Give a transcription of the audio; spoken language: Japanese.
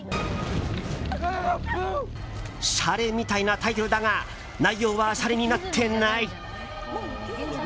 シャレみたいなタイトルだが内容はシャレになってない！